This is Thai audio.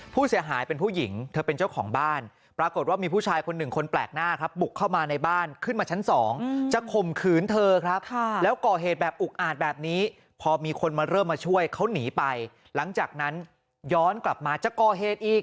ผู้เสียหายเป็นผู้หญิงเธอเป็นเจ้าของบ้านปรากฏว่ามีผู้ชายคนหนึ่งคนแปลกหน้าครับบุกเข้ามาในบ้านขึ้นมาชั้น๒จะข่มขืนเธอครับแล้วก่อเหตุแบบอุกอาจแบบนี้พอมีคนมาเริ่มมาช่วยเขาหนีไปหลังจากนั้นย้อนกลับมาจะก่อเหตุอีก